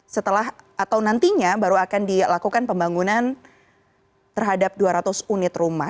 setelah atau nantinya baru akan dilakukan pembangunan terhadap dua ratus unit rumah